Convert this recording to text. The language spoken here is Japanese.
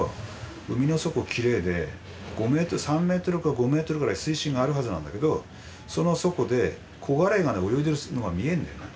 海の底きれいで３メートルから５メートルぐらい水深があるはずなんだけどその底でコガレイが泳いでるのが見えるんだよな。